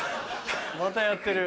またやってる。